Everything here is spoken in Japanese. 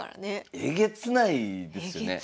えげつないですよね。